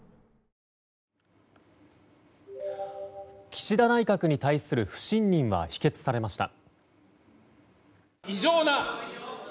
岸田内閣に対する不信任は否決されました。